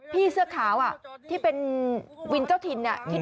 พี่เสื้อขาวที่เป็นวินเจ้าถิ่น